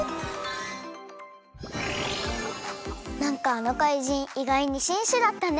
なんかあのかいじんいがいにしんしだったね。